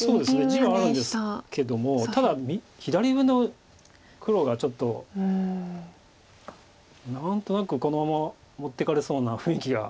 地はあるんですけどもただ左上の黒がちょっと何となくこのまま持っていかれそうな雰囲気が。